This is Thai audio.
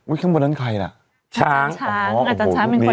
อุ๊ยข้างบนนั้นใครล่ะอาจารย์ช้างอาจารย์ช้างเป็นคนให้ไว้